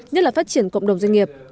nhất là phát triển cộng đồng doanh nghiệp